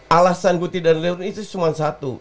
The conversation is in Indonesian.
alasan gue tidak leluhur itu cuma satu